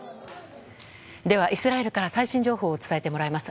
イスラエルから最新情報を伝えてもらいます。